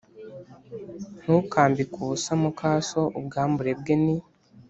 Ntukambike ubusa muka so Ubwambure bwe ni